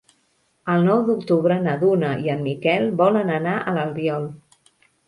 El nou d'octubre na Duna i en Miquel volen anar a l'Albiol.